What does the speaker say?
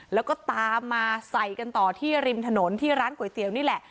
แล้วก็ตามมาใส่กันต่อที่ริมถนนที่ร้านก๋วยเตี๋ยวนี่แหละ